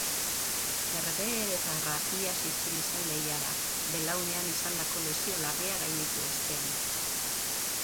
Herbeheretarra iaz itzuli zen lehiara, belaunean izandako lesio larria gainditu ostean.